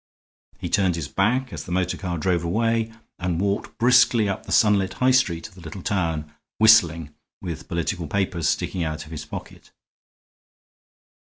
He turned his back as the motor car drove away, and walked briskly up the sunlit high street of the little town, whistling, with political papers sticking out of his pocket.